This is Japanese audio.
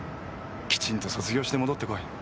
きちんと卒業して戻ってこい。